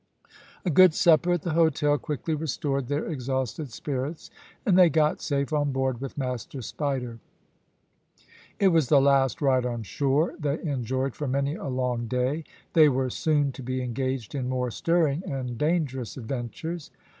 A good supper at the hotel quickly restored their exhausted spirits, and they got safe on board with Master Spider. It was the last ride on shore they enjoyed for many a long day. They were soon to be engaged in more stirring and dangerous adventures.